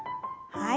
はい。